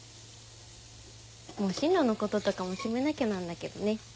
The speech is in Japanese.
もう進路のこととかも決めなきゃなんだけどね。